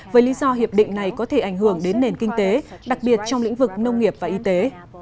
với lý do hiệp định này có thể ảnh hưởng đến nền kinh tế đặc biệt trong lĩnh vực nông nghiệp và y tế